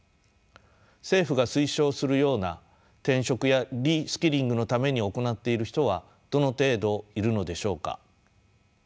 政府が推奨するような転職やリスキリングのために行っている人はどの程度いるのでしょうか。